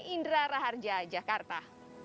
indra raharja jakarta